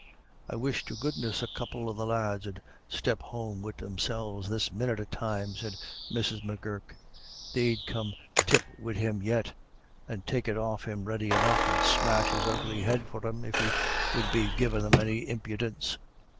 "I wish to goodness a couple of the lads 'ud step home wid themselves this minit of time," said Mrs. M'Gurk. "They'd come tip wid him yet, and take it off of him ready enough. And smash his ugly head for him, if he would be givin' them any impidence."